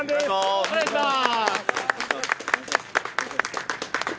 お願いします。